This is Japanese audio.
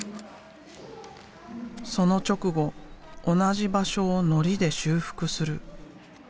その直後同じ場所をのりで修復する。